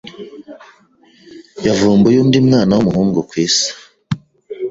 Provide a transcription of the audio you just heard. yavumbuye undi mwana wumuhungu kwisi